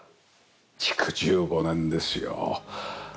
築１５年ですよ。